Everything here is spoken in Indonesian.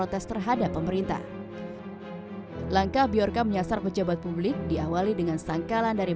protes terhadap pemerintah langkah biarca menyasar pejabat publik diawali dengan sangkalan dari